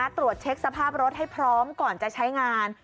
ตรวจเช็คสภาพรถให้พร้อมก่อนจะใช้งาน